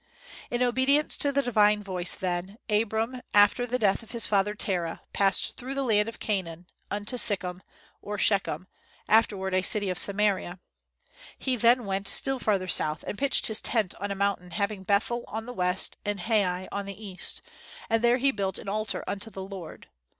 In obedience to the divine voice then, Abram, after the death of his father Terah, passed through the land of Canaan unto Sichem, or Shechem, afterward a city of Samaria. He then went still farther south, and pitched his tent on a mountain having Bethel on the west and Hai on the east, and there he built an altar unto the Lord.